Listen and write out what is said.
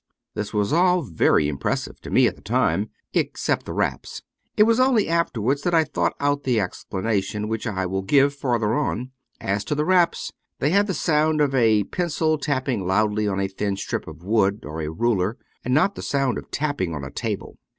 This was all very impressive to me at the time, except the raps. It was only afterwards that I thought out the explanation, which I will give farther on. As to the raps, they had the sound as of a pencil tapping loudly on a thin strip of wood, or a ruler, and not the sound of tapping on a table.